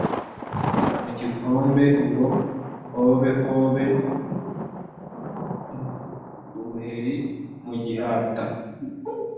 Mu gikombe ngo hobe hobe !-Uruheri mu gihata.